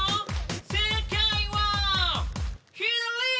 正解は左！